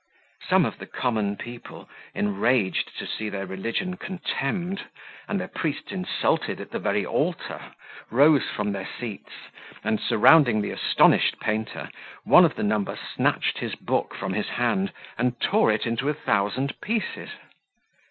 Some of the common people, enraged to see their religion contemned, and their priests insulted at the very altar, rose from their seats, and, surrounding the astonished painter, one of the number snatched his book from his hand, and tore it into a thousand pieces.